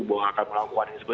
bahwa akan melakukan